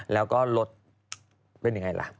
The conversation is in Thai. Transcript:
แล้วก็รถเป็นยังไงล่ะ